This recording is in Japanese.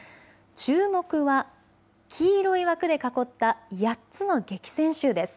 注目は黄色い枠で囲った８つの激戦州です。